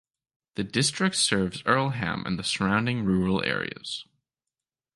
The district serves Earlham and the surrounding rural areas.